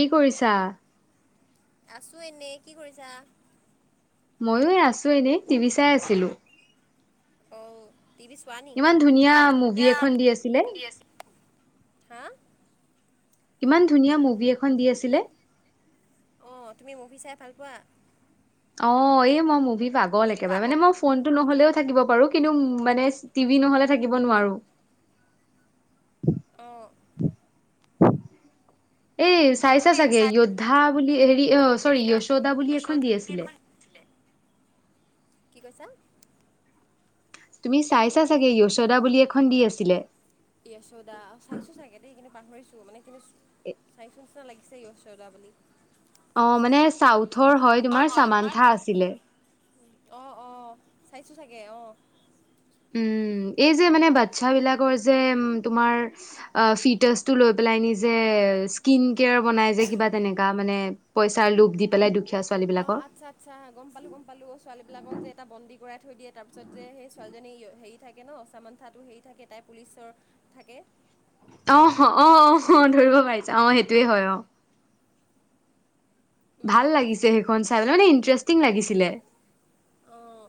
কি কৰিছা? আছো এনেই কি কৰিছা? মইয়ো আছো এনেই টিভি চাই আছিলো। অঔ টিভি ছোৱা নি ইমান ধুনীয়া মুভি এখন দি আছিলে। ইমান ধুনীয়া মুভি এখন দি আছিলে, অ তুমি মুভি চাই ভাল পোৱা? অ এই মই মুভি পাগল একেবাৰে মানে মই ফোনটো নহ'লেও থাকিব পাৰো কিন্তু মানে টিভি নহলে থাকিব নোৱাৰো। অ' এই চাইছা চাগে য়োদ্ধা বুলি হেৰি অ চৰি য়শোদা বুলি এখন দি আছিলে। কি কৈছা? তুমি হেল্ল' চাইছা চাগে য়শোদা বুলি এখন দি আছিলে। য়শোদা চাইছো চাগে দেই কিন্তু পাহৰিছো মানে কিন্তু চাইছো না লাগিছে য়শোদা বুলি অহ, মানে চাউথৰ হয় তোমাৰ চামানথা আছিলে। অ', অ', চাইছো চাগে অ',। উম, এই যে মানে বাচ্ছা বিলাকৰ যে তোমাৰ ফিটেচটো লৈ পেলাই নিজে স্কিন কেয়াৰ বনাই যে কিবা তেনেকা মানে পইচাৰ লোভ দি পেলাই দুখীয়া ছোৱালী বিলাক অহ, আচ্ছা -আচ্ছা গম পালো -গম পালো ছোৱালী বিলাকক যে এটা বন্দী ভৰাই থৈ দিয়ে তাৰ পিছত যে সেই ছোৱালীজনী হেৰি থাকে ন' চামান্থাটো হেৰি থাকে তাই পুলিচৰ থাকে। অহ, অ', অ', ধৰিব পাৰিছা অহ সেইটোয়ে হয় অ',। ভাল উম, লাগিছে সেইখন চাই পাই মানে ইন্টাৰেষ্টিং লাগিছিলে। অঁ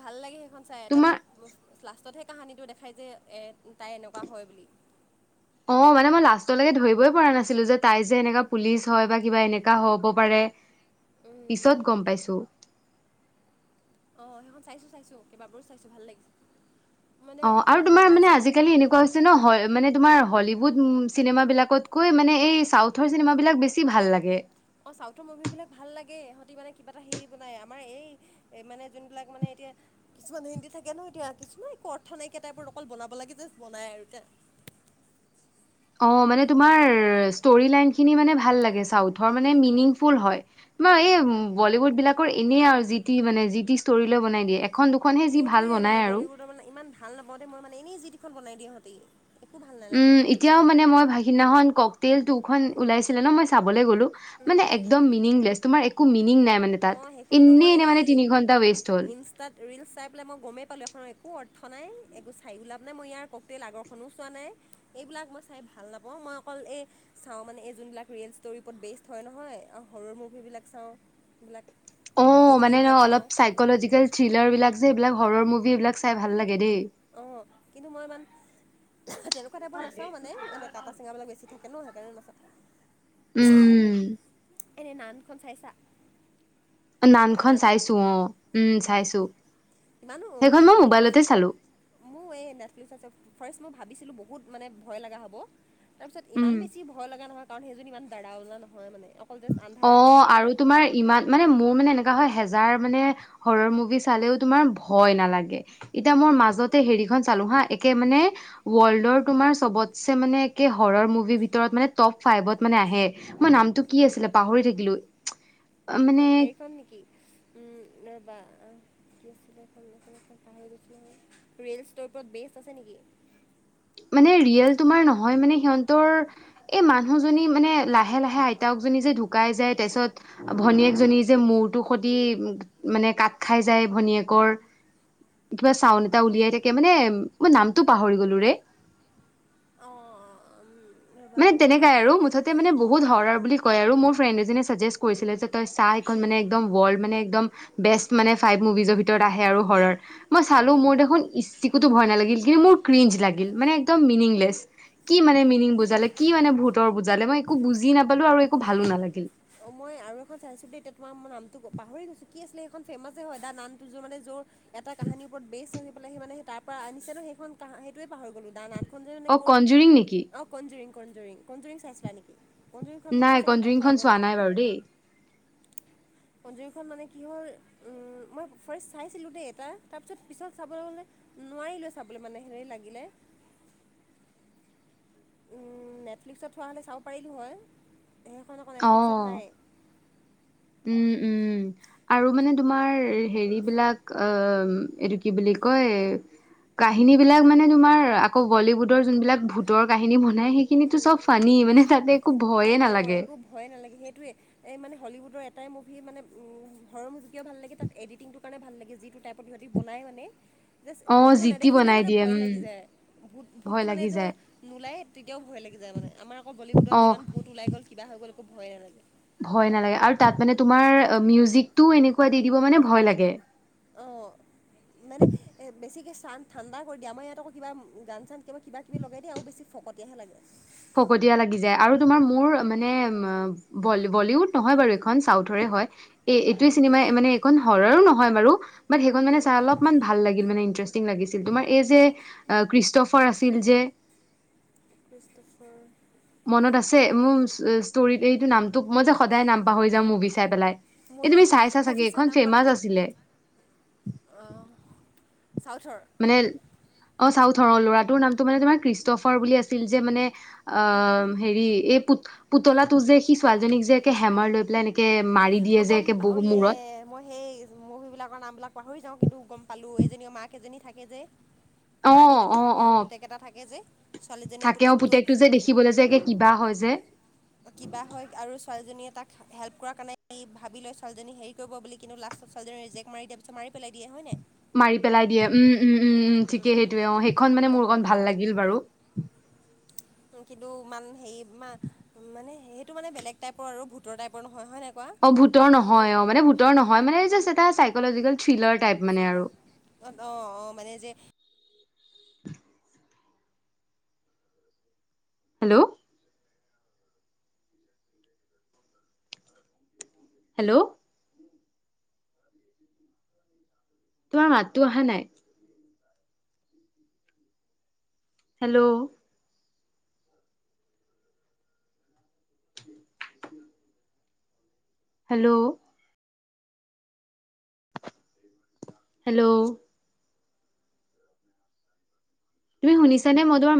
ভাল লাগে সেইখন চাই তোমাৰ তাৰপিছত লাষ্টতহে কাহানীটো দেখাই যে এ তাই এনেকুৱা হয় বুলি। অহ, মানে মই লাষ্টলৈকে ধৰিবই পৰা নাছিলো যে তাই যে এনেকা পুলিচ হয় বা কিবা এনেকা হব পাৰে। উম, পিছত গম পাইছোঁ। অহ, সেইখন চাইছোঁ -চাইছোঁ কেইবাবাৰো চাইছোঁ ভাল লাগিছে। মানে অ', আৰু তোমাৰ মুভিবিলাক মানে চাওঁ ন, আজিকালি এনেকুৱা হৈছে ন'হয় মানে তোমাৰ হলিউড চিনেমা বিলাকতকৈ মানে এই চাউথৰ চিনেমা বিলাক বেছি ভাল লাগে। অহ, চাউথৰ মুভি বিলাক ভাল লাগে সিহঁতি মানে কিবা এটা হেৰি বনাই আমাৰ এই মানে যোন বিলাক মানে এতিয়া কিছুমান হিন্দী থাকে ন'এতিয়া কিছুমান একো অৰ্থ নাইকিয়া টাইপৰ অকল বনাব লাগে যে বনাই আৰু এতিয়া। [inaudible] অ', মানে তোমাৰ ষ্টৰি নাইন খিনি মানে ভাল লাগে মিনিংফুল হয়। তোমাৰ এই বলিউড বিলাকৰ এনেই আৰু যিটি, - যিটি ষ্টৰি লৈ বনাই দিয়ে এখন, দুখন সেইটোৱে মানে বলীউডৰ মানে ইমান ভাল নাপওঁতে মই মানে এনেই যি তি খন বনাই দিয়ে সিহঁতে। উম, এতিয়াও মানে মই ভাসিনাখন ককটেল টুখন ওলাইছিলে ন' মই চাবলে গলো মানে একদম মিনিংলেছ তোমাৰ একো মিনিং নাই। মানে তাত অহ, সেইখনতো এনেই মই এনে মানে এই তিনি ঘন্টা ৱেষ্ট হ'ল ইনষ্টাত ৰিলচ চাই পেলাই মই গমেই পালো সেইখন একো অৰ নাই একো চাই লাভ নাই মই ইয়াৰ ককতেল আগৰখনো চোৱা নাই এইবিলাক মই চাই ভাল নাপাওঁ মই অকল এই চাওঁ মানে এই যোনবিলাক ৰিয়েল ষ্টৰি ওপৰত বেষ্ট হয় নহয় আৰু হৰৰ মুভিবিলাক চাওঁ। এইবিলাক অ', মানে ন' এনিমেবিলাক চাওঁ অলপ চাইকলজিকেল থ্ৰিলাৰ বিলাক যে এইবিলাক হৰৰ মুভি এইবিলাক চাই ভাল লাগে দেই। অ', কিন্তু মই ইমান তেনেকোৱা টাইপৰ নাচাও মানে এনে কাটা চিঙাবিলাক বেছি থাকে। [unintelligible] উম। এনে নানখন চাইছা? নানখন নান চাইছো অহ উম চাইছো। ইমানো অহ সেইখন মই ভাব মোবাইলতে চালো মোৰ এই নেটফ্লিকচ আছে ফাৰ্ষ্ট। মই ভাবিছিলো বহুত মানে ভয় লগা হ'ব তাৰ পিছত ইমান উম। বেছি ভয় লগা নহয়। কাৰণ সেইজন ইমান দাৰা ওলা নহয় মানে অকল জাষ্ট অ', আন্ধাৰত তাহাঁতি মানে আৰু তোমাৰ ইমান মানে মোৰ মানে এ কা হয় হেজাৰ মানে হৰৰ মুভি চালেও তোমাৰ ভয় নালাগে এতিয়া মোৰ মাজতে হেৰি মুভি খন চালো হা একে মানে ৱল্ডৰ তোমাৰ চবতছে মানে একে হৰৰ মুভি ভিতৰত মানে টপ ফাইভত মানে আহে মই নামটো কি আছিলে পাহৰি থাকিলো প্ৰাগ কোন খন হেৰি খন নেকি উম ৰবা কি [unintelligible] পাহৰি গৈছো নহয় ৰিলছটোৰ ওপৰত বেষ্ট আছে নেকি? মানে ৰিয়েল তোমাৰ নহয় মানে সিহঁতৰ এই মানুহজনী মানে লাহে -লাহে আইতাক জনী যে ঢুকাই যায় তাৰ পিছত ভনীয়েকজনী যে মূৰটো সতি মানে কাত খাই যায়। ভনীয়েকৰ কিবা চাউণ্ড এটা উলিয়াই থাকে মানে মই নামটো পাহৰি গলো ৰে। অঁ [inaudible] ৰ'বা মানে মই তেনেকাই আৰু ভাব মুঠতে মানে বহুত হৰৰ বুলি কয় আৰু মোৰ ফ্ৰেণ্ড এজনীয়ে চাজেষ্ট কৰিছিলে যে তই চাই, খন মানে একদম ৱৰ্ল্ড মানে একদম বেষ্ট মানে ফাইভ মুভিজৰ ভিতৰত আহে আৰু হৰৰ মই চালো মোৰ দেখ খোন এচিকোটো ভয় নালাগিল কিন্তু মোৰ ক্ৰিজ লাগিল মানে একদম মিনিংলেছ কি মানে মিনিং বুজা বুজালে কি মানে ভূতৰ বুজালে মই একো বুজি নাপালো আৰু একো ভালো নালাগিল অ মই আৰু এখন চাইছো দে এতিয়া তোমাৰ ম নামটো পাহৰি গৈছো কি আছিলে সেইখন ফেমাছে হয় দা নামটো যে মানে যত এটা কাহানীৰ ওপৰত বেচ আনি পেলাই সি মানে তাৰ পৰা আনিছে সেইখন‌ হ সেইটোৱে পাহৰি গলো অ কনজুৰিং নেকি অ কনুৰিং কনজুৰিং কনজুৰিং চাইছা নেকি কনজুৰিংখন নহয় নাই চাগে টপ কনজুৰিং খন ফাইভত চোৱা নাই বাৰু দেই কনজুৰিখন মানে কি হ'ল মই ফাৰ্ষ্ট চাইছিলোঁ দেই এটা তাৰপিছত পিছত চাবলৈ গ'লে নোৱাৰিলো চাবলৈ মানে হেনে লাগিলে উম নেটফ্লিক্সত হোৱা হলে চাব পাৰিলো হয় সেইখন আকৌ নেটফ্লিক্সত অ নাই উম উম আৰু মানে তোমাৰ হেৰি বিলাক অহ এইটো কি বুলি কয় কাহিনী বিলাক মানে তোমাৰ আকৌ বলিউডৰ যোনবিলাক ভূতৰ কাহিনী বনাই সেই খিনিতো চব ফানি মানে তাতে একো অঁ ভয়ে অঁ নালাগে একো ভয়ে নালাগে সেইটোৱে এই মানে হলিউডৰ এটাই মুভি মানে হৰৰ মুভি ভাল লাগে তাত এডিটিংটোৰ কাৰণে ভাল লাগে যিটো টাইপ প্ৰতিভা তি বনাই মানে জাষ্ট অ ভোটটো জিতি নেদেখিলেও বনাই মানে দিয়ে ভয় উম লাগি যায় ভোত ভয় ভোটটো মানে লাগি ধৰ যায় নোলাই তেতিয়াও ভয় লাগি যায় মানে আমাৰ আকৌ বলিউডত অ যিমান ভোট ওলাই গল কিবা হৈ গ'ল একো ভয় নালাগে ভয় নালাগে আৰু তাত মানে তোমাৰ মিউজিকটো এনেকোৱা দি দিব মানে ভয় লাগে অ মানে এ বেছিকে চান ঠাণ্ডা কৰি দিয় আমাৰ ইয়াত আক কিবা গান চান কিবা কিবা কিবি লগাই দিয়া আৰু বেছি ফকটীয়াহে লাগে ফকতীয়া লাগি যায় আৰু তোমাৰ মোৰ মানে বলীউড নহয় বাৰু এইখন চাউথৰে হয় এ এইটোৱে চিনেমা মেখন হৰৰো নহয় বাৰু বাত সেইখন মানে চাই অলপমান ভাল লাগিল মানে মেচিন লাগিছিল। তোমাৰ এ যে ক্ৰীষ্টফাৰ আছিল যে, [unintelligible] মনত আছে মোৰ ষ্টৰিত এইটো নামটো মই যে সদায় নাম পাহৰি যা মুভি চাই পেলাই। এই মইয়ো তুমি চাইছা চাগে মভি চাই এইখন নাম ফেমাচ পাহাৰোঁ। আছিলে চাউথৰ। ধৰৰ ল'ৰাটোৰ নামটো মানে তোমাৰ ক্ৰীষ্টফাৰ বুলি আছিল, যে মানে অ হেৰি এই পু পুতলাটো যে সি ছোৱালীক যে হেমাৰ লৈ পেলাই এনেকে মাৰি দিয়ে অ যে গম একে পা বহু অয় মূৰত মই সেই মুভি বিলাকৰ নাম বিলাক পাহৰি যাও। কিন্তু গম পালো এইজনী মাক এজনী থাকে যে। অ মাক এজনী অ থাকে অ আৰু পুতেক এটা থাকে যে। ছোৱালীজনী থাকে অ পুতেকটো যে দেখিবলৈ যে কিবা হয়, যে কিবা হয় আৰু ছোৱালীজনীয়ে তাক হেল্প কৰাৰ কাৰণে এই ভাবি লৈ ছোৱালীজনি হেৰি কৰিব বুলি, কিন্তু লা ছালী ৰিজেক্ত মাৰি দিয়াৰ পিছ মাৰি পেলাই দিয়ে হয় নে। মাৰি পেলাই দিয়ে উম। উম উম উম ঠিকে সেইটোয়ে অ সেইখন মানে গম মোৰ অকণ পালোঁ গম ভাল পালোঁ লাগিল বাৰু। কিন্তু ইমান হেৰি মানে সেইটো মানে বেলেগ টাইপৰ আৰু ভূটৰ টাইপৰ নহয় নাই। কোৱা অ ভূতৰ মানে সেইটো নহয়, অ মানে ভূতৰ নহয় মানে জা এ চাইকলজিকেল থ্ৰিলাৰ টাইপ মানে আৰু। অ অ অ মানে যে, [unintelligible] হেল্ল', হেল্ল', তোমাৰ মাততো অহা নাই। হেল্ল', উ [unintelligible] হেল্ল', হেল্ল', তুমি শুনিছা নে? মই তোমাৰ